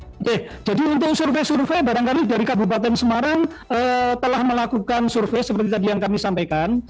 oke jadi untuk survei survei barangkali dari kabupaten semarang telah melakukan survei seperti tadi yang kami sampaikan